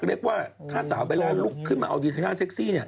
เรียกว่าถ้าสาวเบลล่าลุกขึ้นมาเอาดีเทน่าเซ็กซี่เนี่ย